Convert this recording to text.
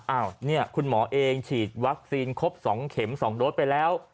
อ้าวเนี่ยคุณหมอเองฉีดวัคซีนครบ๒เข็ม๒โดสไปแล้ว